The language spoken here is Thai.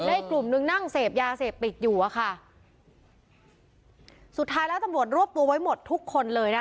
อีกกลุ่มนึงนั่งเสพยาเสพติดอยู่อะค่ะสุดท้ายแล้วตำรวจรวบตัวไว้หมดทุกคนเลยนะคะ